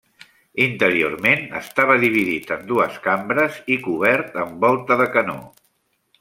Interiorment estava dividit en dues cambres i cobert amb volta de canó.